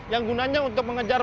yang gunanya untuk mengejar